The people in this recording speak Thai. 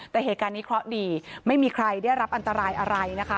แต่เหตุการณ์นี้เคราะห์ดีไม่มีใครได้รับอันตรายอะไรนะคะ